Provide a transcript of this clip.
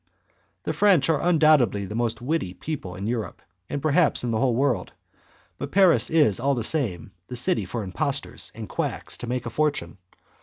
The French are undoubtedly the most witty people in Europe, and perhaps in the whole world, but Paris is, all the same, the city for impostors and quacks to make a fortune.